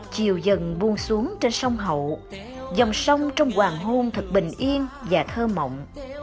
chiều dần buông xuống trên sông hậu dòng sông trong hoàng hôn thật bình yên và thơ mộng